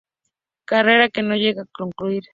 Carrera que no llega a concluir.